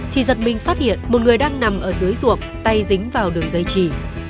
thì giật mình phát hiện một người đang nằm ở dưới ruộng tay dính vào đường dây chỉ